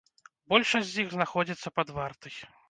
Большасць з іх знаходзіцца пад вартай.